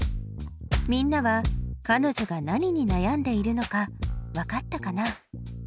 みんなはかのじょが何に悩んでいるのかわかったかな？